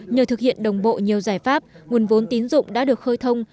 nhờ thực hiện đồng bộ nhiều giải pháp nguồn vốn tín dụng đã được khơi thông